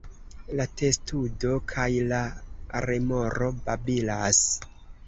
La testudo kaj la remoro babilas.